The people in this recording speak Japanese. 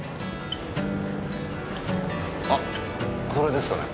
あっこれですかね。